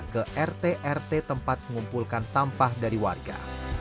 ke rt rt tempat mengumpulkan sampah dari warga